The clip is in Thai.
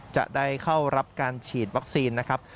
จะได้เข้ารับการฉีดวัคซีนนะครับ